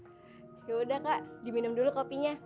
yaudah kak diminum dulu kopinya